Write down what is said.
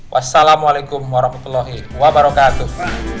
wassalamualaikum warahmatullahi wabarakatuh